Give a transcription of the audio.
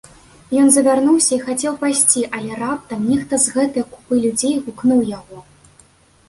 Ён завярнуўся і хацеў пайсці, але раптам нехта з гэтае купы людзей гукнуў яго.